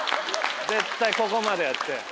絶対ここまでって。